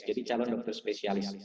jadi calon dokter spesialis